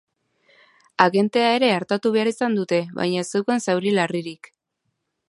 Agentea ere artatu behar izan dute, baina ez zeukan zauri larririk.